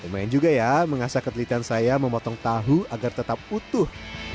lumayan juga ya mengasah ketelitian saya memotong tahu agar tetap utuh